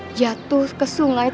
eh kamu bikin gue aspirasi